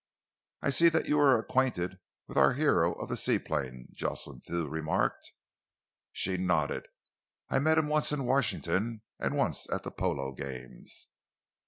"I see that you are acquainted with our hero of the seaplane," Jocelyn Thew remarked. She nodded. "I met him once at Washington and once at the polo games."